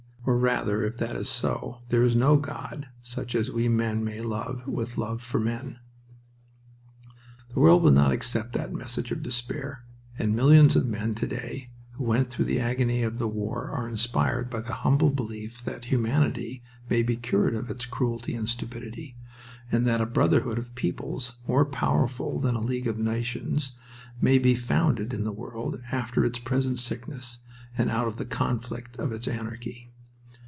Or, rather, if that is so, there is no God such as we men may love, with love for men. The world will not accept that message of despair; and millions of men to day who went through the agony of the war are inspired by the humble belief that humanity may be cured of its cruelty and stupidity, and that a brotherhood of peoples more powerful than a League of Nations may be founded in the world after its present sickness and out of the conflict of its anarchy.